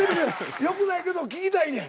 よくないけど聞きたいねん。